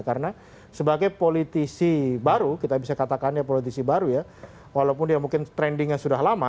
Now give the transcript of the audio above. karena sebagai politisi baru kita bisa katakannya politisi baru ya walaupun dia mungkin trendingnya sudah lama